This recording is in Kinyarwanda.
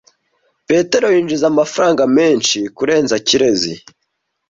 Petero yinjiza amafaranga menshi kurenza Kirezi .